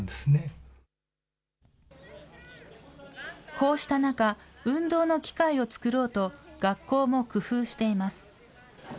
こうした中、運動の機会を作ろうと、学校も工夫しています。